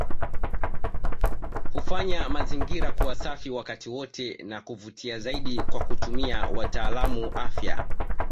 Huyafanya mazingira kuwa safi wakati wote na kuvutia zaidi Kwa kutumia watalaamu afya